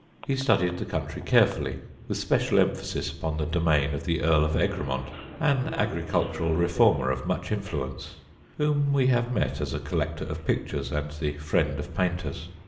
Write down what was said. He studied the country carefully, with special emphasis upon the domain of the Earl of Egremont, an agricultural reformer of much influence, whom we have met as a collector of pictures and the friend of painters.